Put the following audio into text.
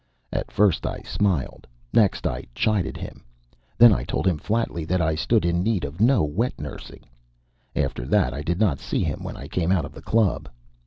At first I smiled; next I chided him. Then I told him flatly that I stood in need of no wet nursing. After that I did not see him when I came out of the club.